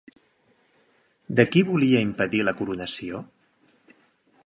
De qui volia impedir la coronació?